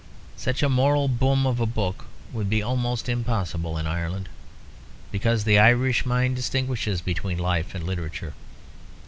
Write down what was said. Such a moral boom of a book would be almost impossible in Ireland, because the Irish mind distinguishes between life and literature.